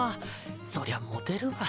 そりゃモテるわ。